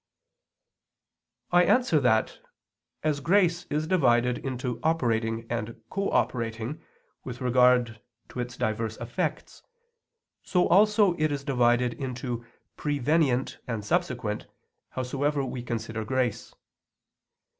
I answer that, As grace is divided into operating and cooperating, with regard to its diverse effects, so also is it divided into prevenient and subsequent, howsoever we consider grace.